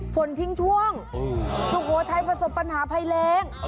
ฝนทิ้งช่วงสุโขทัยประสบปัญหาภัยแรง